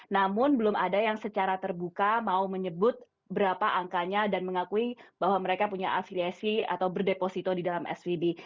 namun belum ada yang secara terbuka mau menyebut berapa angkanya dan mengakui bahwa mereka punya afiliasi atau berdeposito di dalam svb